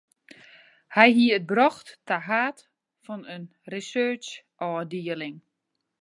Hy hie it brocht ta haad fan in researchôfdieling.